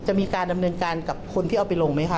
จะมีการนำเนือนการพวกที่เอาไปลงไหมค่ะ